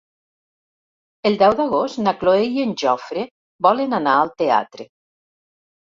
El deu d'agost na Cloè i en Jofre volen anar al teatre.